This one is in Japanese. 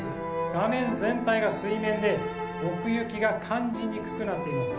画面全体が水面で奥行きが感じにくくなっています